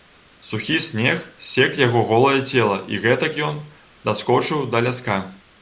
Сухі снег сек яго голае цела, і гэтак ён даскочыў да ляска.